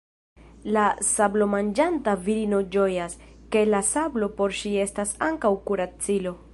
La sablomanĝanta virino ĝojas, ke la sablo por ŝi estas ankaŭ kuracilo.